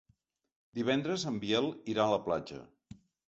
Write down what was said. Divendres en Biel irà a la platja.